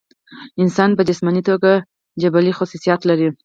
انسان پۀ جسماني توګه جبلي خصوصيات لري